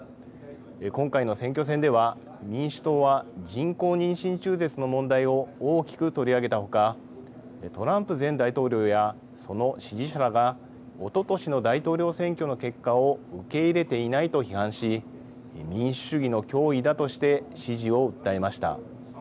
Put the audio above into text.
今回の選挙戦では民主党は人工妊娠中絶の問題を大きく取り上げた他トランプ前大統領やその支持者らがおととしの大統領選挙の結果を受け入れていないと批判し民主主義の脅威だとして支持を訴えました。